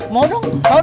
mau dong mau dong kan